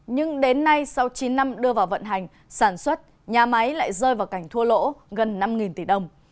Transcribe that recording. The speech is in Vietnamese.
nhưng đến nay sau chín năm đưa vào vận hành sản xuất nhà máy lại rơi vào cảnh thua lỗ gần năm tỷ đồng